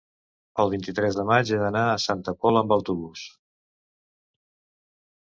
El vint-i-tres de maig he d'anar a Santa Pola amb autobús.